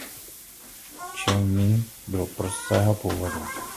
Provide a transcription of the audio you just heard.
Čchien Ning byl prostého původu.